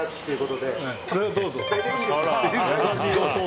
いいです。